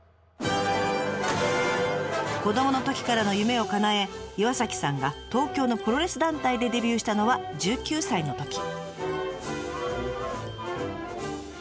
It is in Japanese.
子どものときからの夢をかなえ岩さんが東京のプロレス団体でデビューしたのは１９歳のとき。